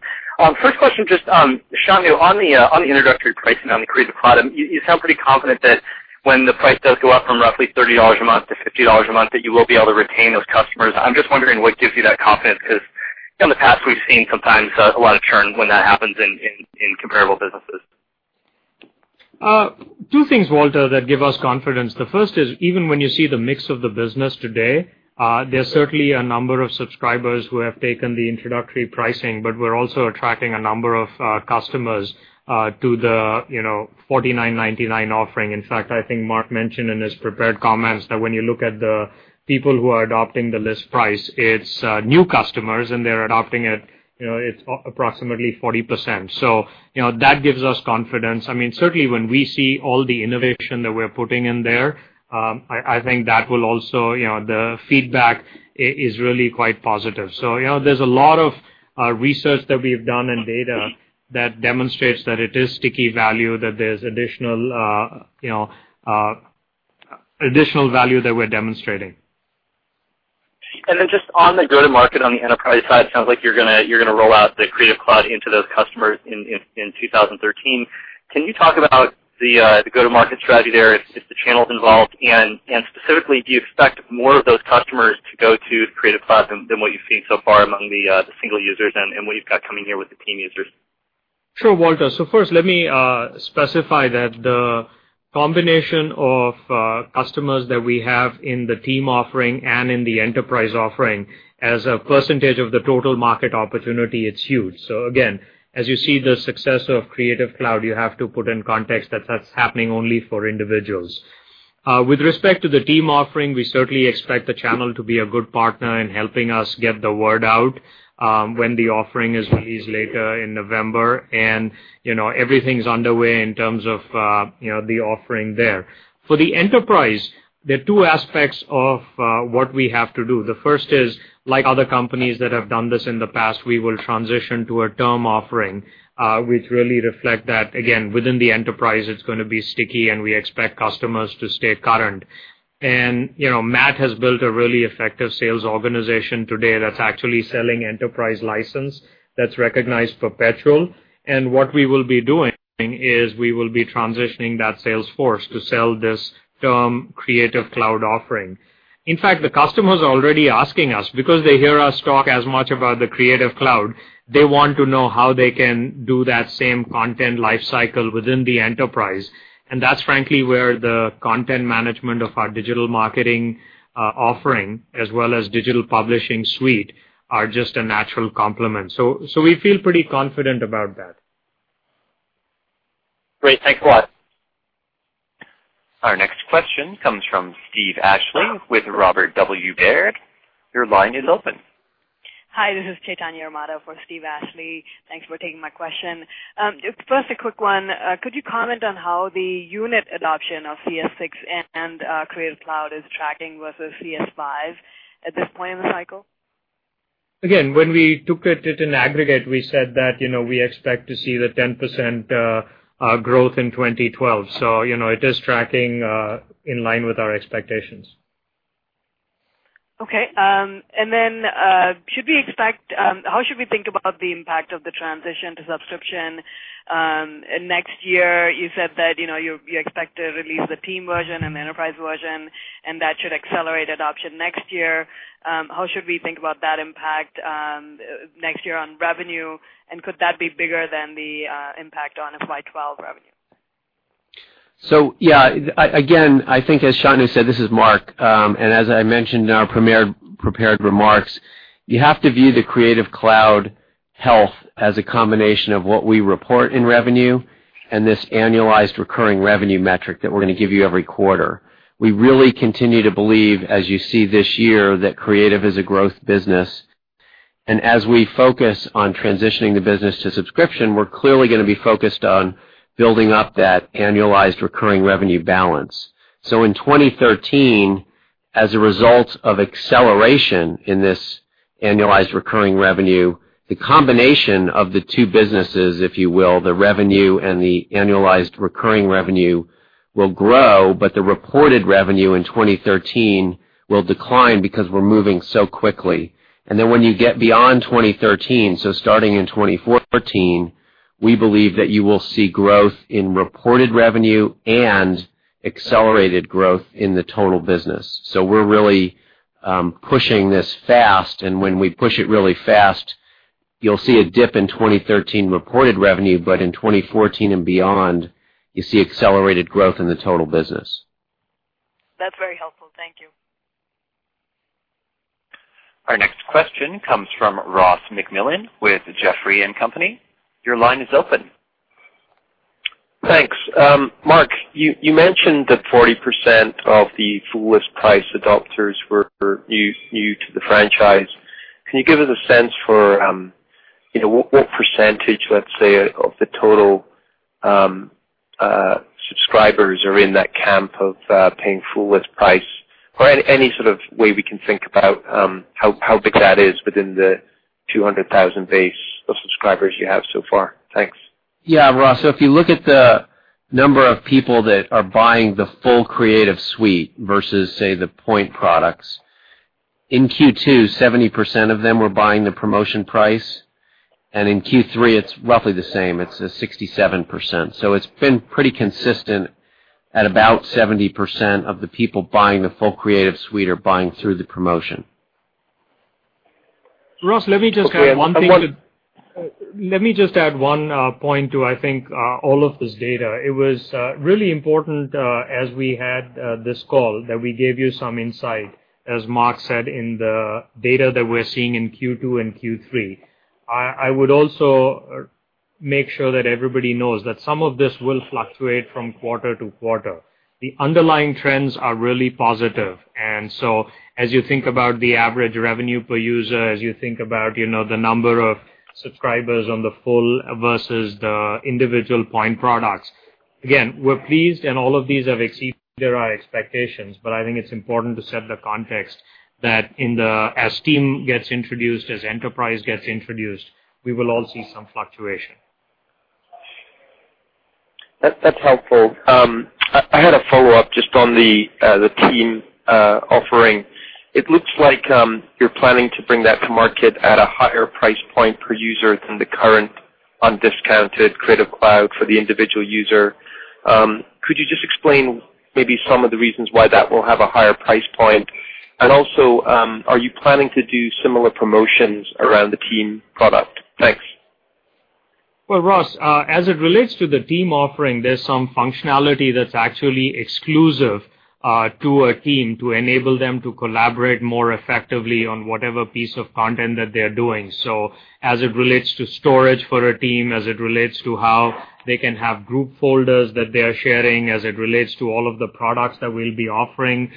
first question, just, Shantanu, on the introductory pricing on the Creative Cloud, you sound pretty confident that when the price does go up from roughly $30 a month to $50 a month, that you will be able to retain those customers. I'm just wondering what gives you that confidence, because in the past, we've seen sometimes a lot of churn when that happens in comparable businesses. Two things, Walter, that give us confidence. The first is, even when you see the mix of the business today, there's certainly a number of subscribers who have taken the introductory pricing, but we're also attracting a number of customers to the $49.99 offering. In fact, I think Mark mentioned in his prepared comments that when you look at the people who are adopting the list price, it's new customers, and they're adopting it's approximately 40%. That gives us confidence. Certainly, when we see all the innovation that we're putting in there, I think that the feedback is really quite positive. There's a lot of research that we've done and data that demonstrates that it is sticky value, that there's additional value that we're demonstrating. Just on the go-to-market on the enterprise side, sounds like you're going to roll out the Creative Cloud into those customers in 2013. Can you talk about the go-to-market strategy there, if the channel's involved? Specifically, do you expect more of those customers to go to Creative Cloud than what you've seen so far among the single users and what you've got coming here with the team users? Sure, Walter. First, let me specify that the combination of customers that we have in the team offering and in the enterprise offering as a percentage of the total market opportunity, it's huge. Again, as you see the success of Creative Cloud, you have to put in context that that's happening only for individuals. With respect to the team offering, we certainly expect the channel to be a good partner in helping us get the word out when the offering is released later in November. Everything's underway in terms of the offering there. For the enterprise, there are two aspects of what we have to do. The first is, like other companies that have done this in the past, we will transition to a term offering, which really reflect that, again, within the enterprise, it's going to be sticky, and we expect customers to stay current. Matt has built a really effective sales organization today that's actually selling enterprise license, that's recognized perpetual. What we will be doing is we will be transitioning that sales force to sell this term Creative Cloud offering. In fact, the customers are already asking us because they hear us talk as much about the Creative Cloud. They want to know how they can do that same content life cycle within the enterprise. That's frankly where the content management of our digital marketing offering, as well as Digital Publishing Suite are just a natural complement. We feel pretty confident about that. Great. Thanks a lot. Our next question comes from Steve Ashley with Robert W. Baird. Your line is open. Hi, this is Chaitanya Yaramada for Steve Ashley. Thanks for taking my question. First, a quick one. Could you comment on how the unit adoption of CS6 and Creative Cloud is tracking versus CS5 at this point in the cycle? When we took it in aggregate, we said that we expect to see the 10% growth in 2012. It is tracking in line with our expectations. Okay. Then, how should we think about the impact of the transition to subscription next year? You said that you expect to release the team version and the enterprise version, and that should accelerate adoption next year. How should we think about that impact next year on revenue, and could that be bigger than the impact on FY 2012 revenue? Yeah. Again, I think as Shantanu said, this is Mark, as I mentioned in our prepared remarks, you have to view the Creative Cloud health as a combination of what we report in revenue and this annualized recurring revenue metric that we're going to give you every quarter. We really continue to believe, as you see this year, that Creative is a growth business. As we focus on transitioning the business to subscription, we're clearly going to be focused on building up that annualized recurring revenue balance. In 2013, as a result of acceleration in this annualized recurring revenue, the combination of the two businesses, if you will, the revenue and the annualized recurring revenue, will grow, but the reported revenue in 2013 will decline because we're moving so quickly. Then when you get beyond 2013, starting in 2014, we believe that you will see growth in reported revenue and accelerated growth in the total business. We're really pushing this fast, when we push it really fast You'll see a dip in 2013 reported revenue, in 2014 and beyond, you see accelerated growth in the total business. That's very helpful. Thank you. Our next question comes from Ross MacMillan with Jefferies & Company. Your line is open. Thanks. Mark, you mentioned that 40% of the fullest price adopters were new to the franchise. Can you give us a sense for what percentage, let's say, of the total subscribers are in that camp of paying fullest price? Or any sort of way we can think about how big that is within the 200,000 base of subscribers you have so far. Thanks. Yeah, Ross. If you look at the number of people that are buying the full Creative Suite versus, say, the point products. In Q2, 70% of them were buying the promotion price, and in Q3, it's roughly the same. It's 67%. It's been pretty consistent at about 70% of the people buying the full Creative Suite or buying through the promotion. Ross, let me just add one point to, I think, all of this data. It was really important, as we had this call, that we gave you some insight, as Mark said, in the data that we're seeing in Q2 and Q3. I would also make sure that everybody knows that some of this will fluctuate from quarter to quarter. The underlying trends are really positive. As you think about the average revenue per user, as you think about the number of subscribers on the full versus the individual point products, again, we're pleased, and all of these have exceeded our expectations. I think it's important to set the context that as Team gets introduced, as Enterprise gets introduced, we will all see some fluctuation. That's helpful. I had a follow-up just on the Team offering. It looks like you're planning to bring that to market at a higher price point per user than the current undiscounted Creative Cloud for the individual user. Could you just explain maybe some of the reasons why that will have a higher price point? Are you planning to do similar promotions around the Team product? Thanks. Well, Ross, as it relates to the Team offering, there's some functionality that's actually exclusive to a team to enable them to collaborate more effectively on whatever piece of content that they're doing. As it relates to storage for a team, as it relates to how they can have group folders that they are sharing, as it relates to all of the products that we'll be offering.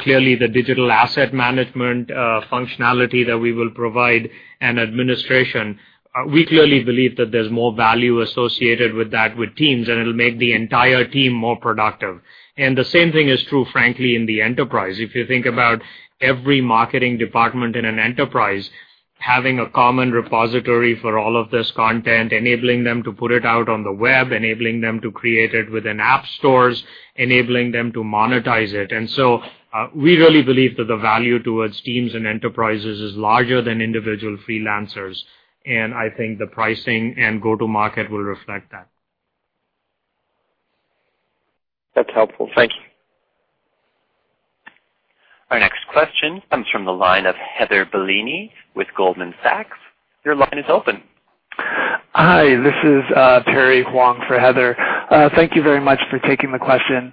Clearly, the digital asset management functionality that we will provide and administration, we clearly believe that there's more value associated with that with teams, and it'll make the entire team more productive. The same thing is true, frankly, in the Enterprise. If you think about every marketing department in an enterprise, having a common repository for all of this content, enabling them to put it out on the web, enabling them to create it within app stores, enabling them to monetize it. We really believe that the value towards teams and enterprises is larger than individual freelancers, and I think the pricing and go-to-market will reflect that. That's helpful. Thank you. Our next question comes from the line of Heather Bellini with Goldman Sachs. Your line is open. Hi, this is Terry Huang for Heather. Thank you very much for taking the question.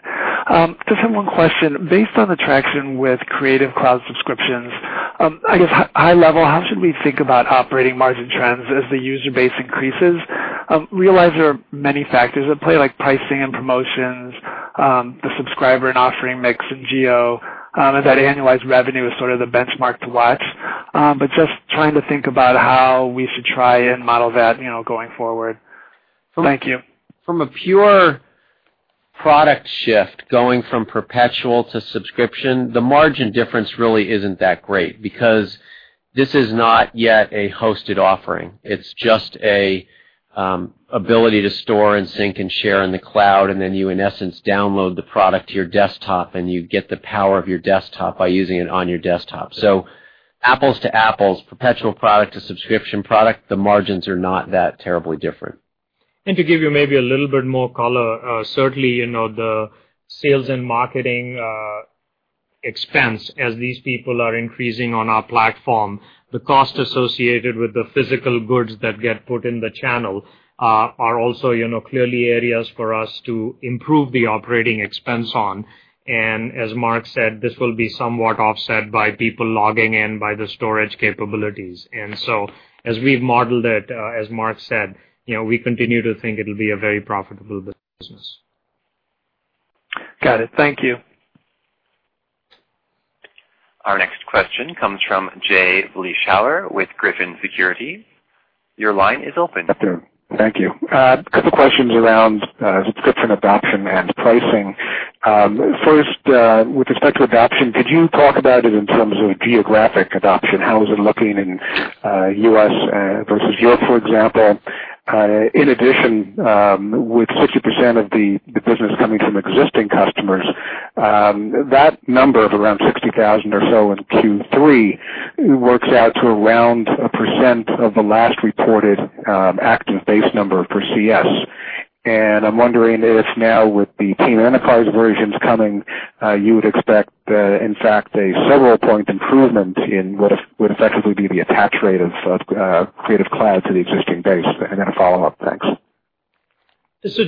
Just have one question. Based on the traction with Creative Cloud subscriptions, I guess, high level, how should we think about operating margin trends as the user base increases? I realize there are many factors at play, like pricing and promotions, the subscriber and offering mix, and geo, as that annualized revenue is sort of the benchmark to watch. Just trying to think about how we should try and model that going forward. Thank you. From a pure product shift, going from perpetual to subscription, the margin difference really isn't that great because this is not yet a hosted offering. It's just an ability to store and sync and share in the cloud, and then you, in essence, download the product to your desktop, and you get the power of your desktop by using it on your desktop. Apples to apples, perpetual product to subscription product, the margins are not that terribly different. To give you maybe a little bit more color, certainly, the sales and marketing expense as these people are increasing on our platform, the cost associated with the physical goods that get put in the channel are also clearly areas for us to improve the operating expense on. As Mark said, this will be somewhat offset by people logging in by the storage capabilities. As we've modeled it, as Mark said, we continue to think it'll be a very profitable business. Got it. Thank you. Our next question comes from Jay Vleeschhouwer with Griffin Securities. Your line is open. Thank you. A couple questions around subscription adoption and pricing. First, with respect to adoption, could you talk about it in terms of geographic adoption? How is it looking in U.S. versus Europe, for example? In addition, with 60% of the business coming from existing customers, that number of around 60,000 or so in Q3 works out to around 1% of the last reported active base number for CS. I'm wondering if now with the team and the Creative Cloud versions coming, you would expect, in fact, a several point improvement in what would effectively be the attach rate of Creative Cloud to the existing base. Then a follow-up. Thanks.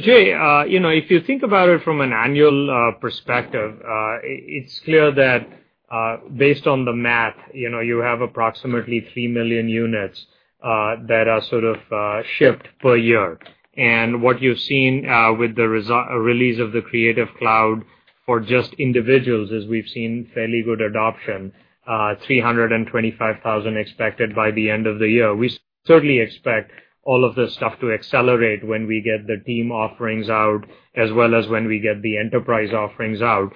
Jay, if you think about it from an annual perspective, it's clear that based on the math, you have approximately 3 million units that are sort of shipped per year. What you've seen with the release of the Creative Cloud for just individuals is we've seen fairly good adoption, 325,000 expected by the end of the year. We certainly expect all of this stuff to accelerate when we get the team offerings out as well as when we get the enterprise offerings out.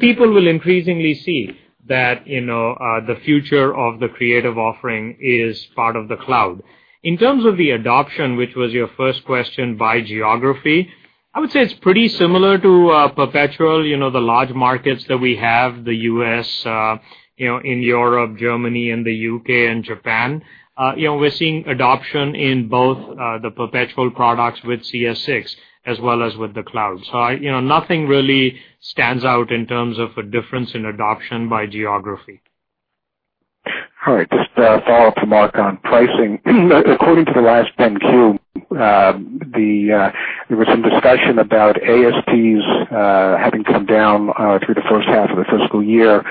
People will increasingly see that the future of the creative offering is part of the cloud. In terms of the adoption, which was your first question by geography, I would say it's pretty similar to perpetual, the large markets that we have, the U.S., in Europe, Germany, and the U.K., and Japan. We're seeing adoption in both the perpetual products with CS6 as well as with the cloud. Nothing really stands out in terms of a difference in adoption by geography. All right. Just a follow-up to Mark on pricing. According to the last 10-Q, there was some discussion about ASPs having come down through the first half of the fiscal year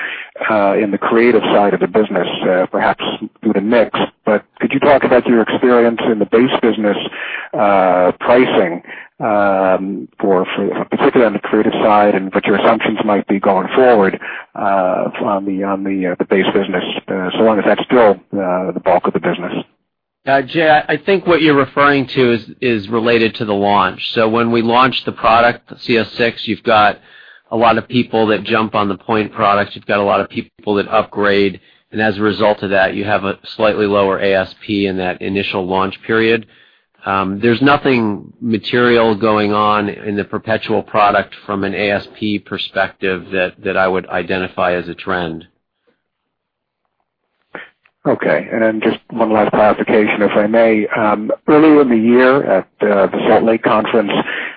in the creative side of the business, perhaps through the mix. Could you talk about your experience in the base business pricing, particularly on the creative side and what your assumptions might be going forward on the base business, so long as that's still the bulk of the business? Jay, I think what you're referring to is related to the launch. When we launched the product, CS6, you've got a lot of people that jump on the point products. You've got a lot of people that upgrade, and as a result of that, you have a slightly lower ASP in that initial launch period. There's nothing material going on in the perpetual product from an ASP perspective that I would identify as a trend. Okay, then just one last clarification, if I may. Earlier in the year at the Salt Lake conference,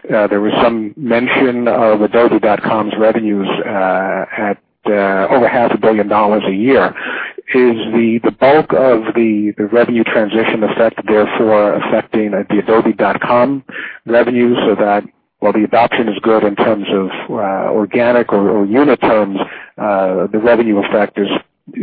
there was some mention of adobe.com's revenues at over half a billion dollars a year. Is the bulk of the revenue transition effect therefore affecting the adobe.com revenue so that while the adoption is good in terms of organic or unit terms, the revenue effect is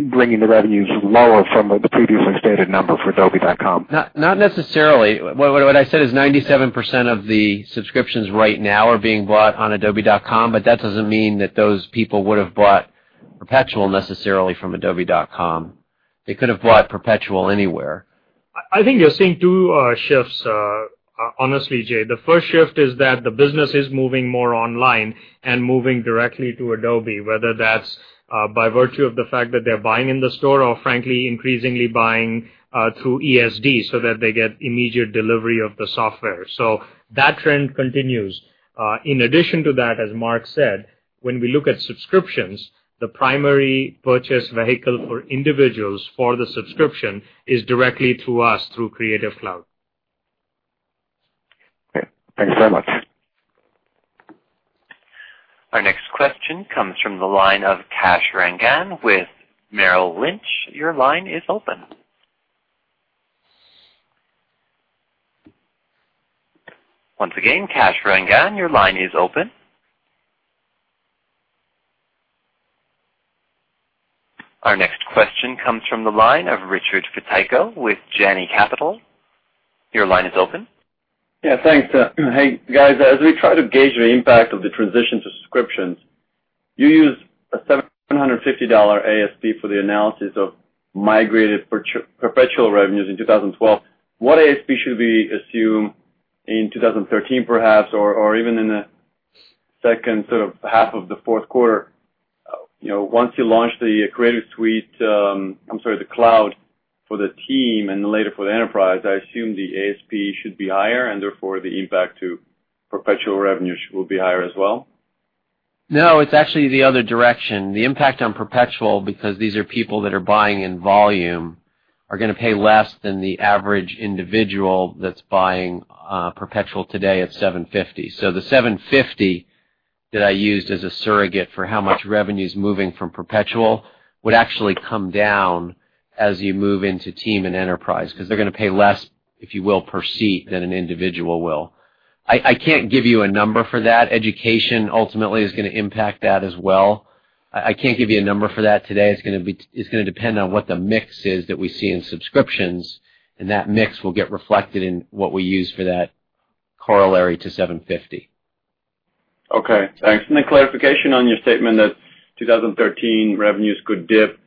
bringing the revenues lower from the previously stated number for adobe.com? Not necessarily. What I said is 97% of the subscriptions right now are being bought on adobe.com, That doesn't mean that those people would have bought perpetual necessarily from adobe.com. They could have bought perpetual anywhere. I think you're seeing two shifts, honestly, Jay. The first shift is that the business is moving more online and moving directly to Adobe, whether that's by virtue of the fact that they're buying in the store or frankly, increasingly buying through ESD so that they get immediate delivery of the software. That trend continues. In addition to that, as Mark said, when we look at subscriptions, the primary purchase vehicle for individuals for the subscription is directly through us through Creative Cloud. Okay. Thanks very much. Our next question comes from the line of Kash Rangan with Merrill Lynch. Your line is open. Once again, Kash Rangan, your line is open. Our next question comes from the line of Richard Fetyko with Janney Capital. Your line is open. Yeah, thanks. Hey, guys, as we try to gauge the impact of the transition to subscriptions, you used a $750 ASP for the analysis of migrated perpetual revenues in 2012. What ASP should we assume in 2013, perhaps, or even in the second sort of half of the fourth quarter? Once you launch the Creative Suite, I'm sorry, Creative Cloud for teams and then later for the enterprise, I assume the ASP should be higher and therefore the impact to perpetual revenue will be higher as well. No, it's actually the other direction. The impact on perpetual, because these are people that are buying in volume, are going to pay less than the average individual that's buying perpetual today at $750. The $750 that I used as a surrogate for how much revenue is moving from perpetual would actually come down as you move into team and enterprise because they're going to pay less, if you will, per seat than an individual will. I can't give you a number for that. Education ultimately is going to impact that as well. I can't give you a number for that today. It's going to depend on what the mix is that we see in subscriptions, and that mix will get reflected in what we use for that corollary to $750. Okay, thanks. Then clarification on your statement that 2013 revenues could dip.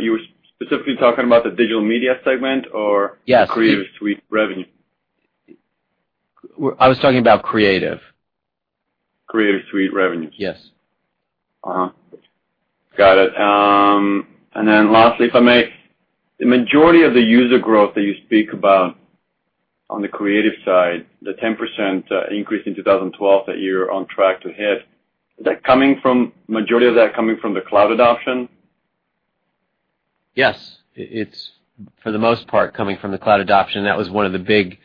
You were specifically talking about the Digital Media segment or? Yes Creative Suite revenue? I was talking about Creative. Creative Suite revenues. Yes. Got it. Lastly, if I may, the majority of the user growth that you speak about on the creative side, the 10% increase in 2012 that you're on track to hit, is the majority of that coming from the cloud adoption? Yes. It's for the most part, coming from the cloud adoption. That was one of the big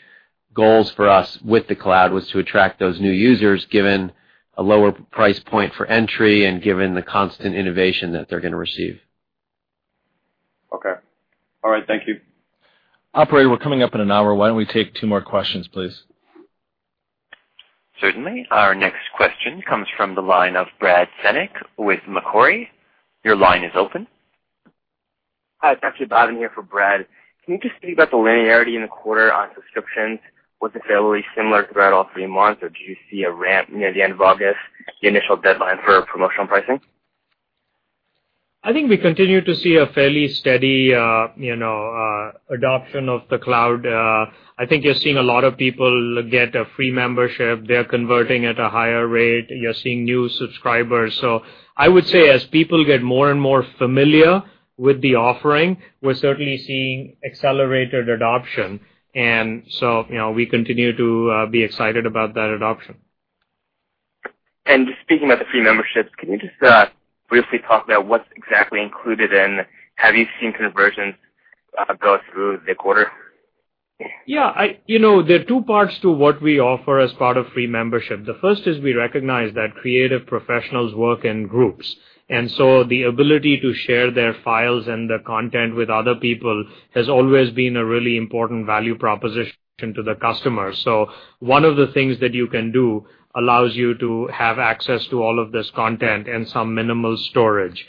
goals for us with the cloud, was to attract those new users, given a lower price point for entry and given the constant innovation that they're going to receive. Okay. All right. Thank you. Operator, we're coming up in an hour. Why don't we take two more questions, please? Certainly. Our next question comes from the line of Brad Zelnick with Macquarie. Your line is open. Hi, it's actually Bhavin here for Brad. Can you just speak about the linearity in the quarter on subscriptions? Was it fairly similar throughout all three months, or did you see a ramp near the end of August, the initial deadline for promotional pricing? I think we continue to see a fairly steady adoption of the cloud. I think you're seeing a lot of people get a free membership. They're converting at a higher rate. You're seeing new subscribers. I would say, as people get more and more familiar with the offering, we're certainly seeing accelerated adoption. We continue to be excited about that adoption. Just speaking about the free memberships, can you just briefly talk about what's exactly included in, have you seen conversions go through the quarter? Yeah. There are two parts to what we offer as part of free membership. The first is we recognize that creative professionals work in groups, and so the ability to share their files and their content with other people has always been a really important value proposition to the customer. One of the things that you can do allows you to have access to all of this content and some minimal storage.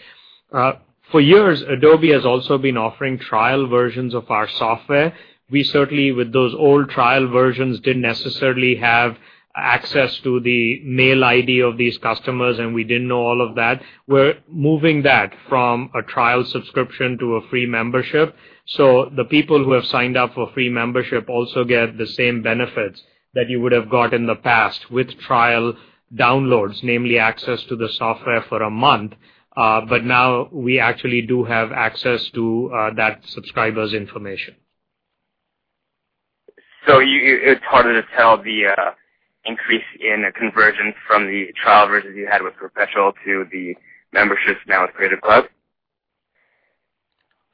For years, Adobe has also been offering trial versions of our software. We certainly, with those old trial versions, didn't necessarily have access to the mail ID of these customers, and we didn't know all of that. We're moving that from a trial subscription to a free membership. The people who have signed up for a free membership also get the same benefits that you would have got in the past with trial downloads, namely access to the software for a month. Now we actually do have access to that subscriber's information. It's harder to tell the increase in conversions from the trial version you had with Professional to the memberships now with Creative Cloud?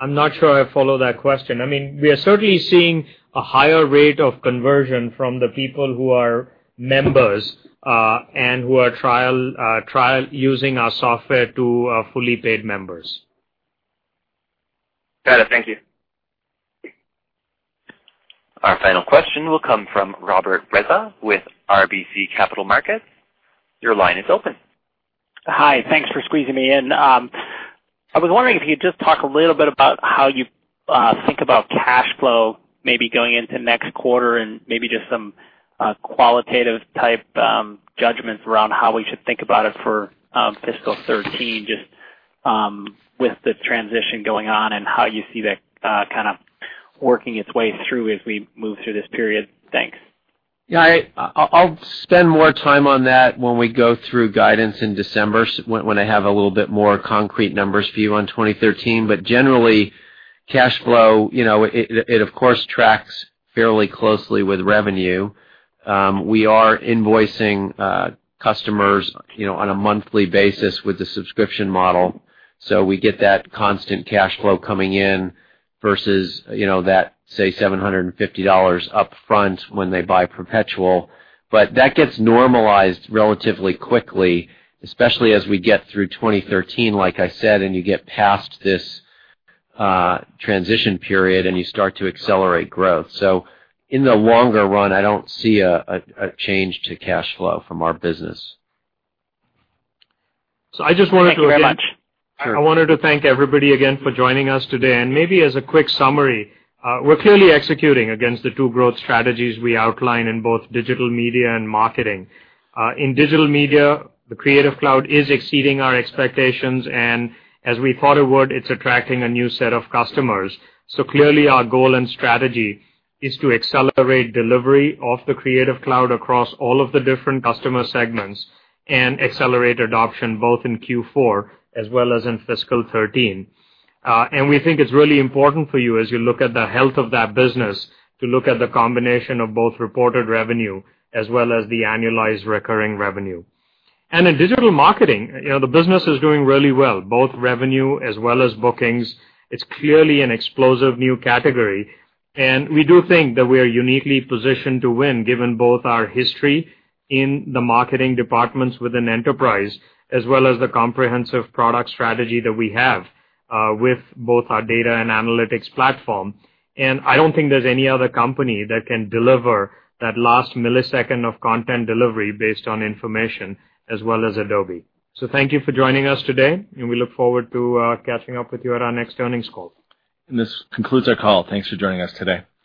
I'm not sure I follow that question. We are certainly seeing a higher rate of conversion from the people who are members, and who are trial using our software to fully paid members. Got it. Thank you. Our final question will come from Robert Breza with RBC Capital Markets. Your line is open. Hi. Thanks for squeezing me in. I was wondering if you could just talk a little bit about how you think about cash flow, maybe going into next quarter and maybe just some qualitative-type judgments around how we should think about it for fiscal 2013, just with this transition going on and how you see that kind of working its way through as we move through this period. Thanks. Yeah. I'll spend more time on that when we go through guidance in December, when I have a little bit more concrete numbers for you on 2013. Generally, cash flow, it of course tracks fairly closely with revenue. We are invoicing customers on a monthly basis with the subscription model, so we get that constant cash flow coming in versus that, say, $750 up front when they buy perpetual. That gets normalized relatively quickly, especially as we get through 2013, like I said, and you get past this transition period, and you start to accelerate growth. In the longer run, I don't see a change to cash flow from our business. Thanks very much. I wanted to thank everybody again for joining us today, and maybe as a quick summary, we are clearly executing against the two growth strategies we outlined in both digital media and marketing. In digital media, the Creative Cloud is exceeding our expectations, and as we thought it would, it is attracting a new set of customers. Clearly our goal and strategy is to accelerate delivery of the Creative Cloud across all of the different customer segments and accelerate adoption both in Q4 as well as in fiscal 2013. We think it is really important for you, as you look at the health of that business, to look at the combination of both reported revenue as well as the annualized recurring revenue. In digital marketing, the business is doing really well, both revenue as well as bookings. It is clearly an explosive new category, and we do think that we are uniquely positioned to win, given both our history in the marketing departments with an enterprise, as well as the comprehensive product strategy that we have with both our data and analytics platform. I do not think there is any other company that can deliver that last millisecond of content delivery based on information as well as Adobe. Thank you for joining us today, and we look forward to catching up with you at our next earnings call. This concludes our call. Thanks for joining us today.